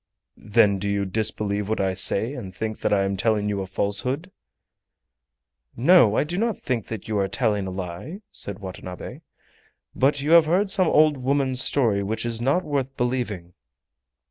"Then do you disbelieve what I say, and think that I am telling you a falsehood?" "No, I do not think that you are telling a lie," said Watanabe; "but you have heard some old woman's story which is not worth believing."